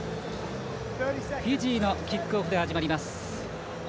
フィジーのキックオフで始まります。